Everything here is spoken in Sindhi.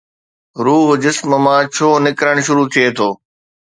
روح جسم مان ڇو نڪرڻ شروع ٿئي ٿو؟